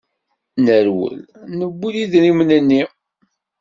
Nerwel, newwi idrimen-nni.